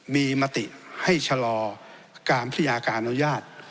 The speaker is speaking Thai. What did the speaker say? มีมติให้ชะลอการพิยาการอนุญาต